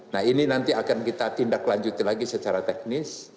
nah ini nanti akan kita tindak lanjuti lagi secara teknis